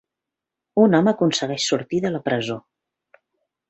Un home aconsegueix sortir de la presó.